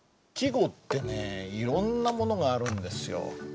季語ってねいろんなものがあるんですよ。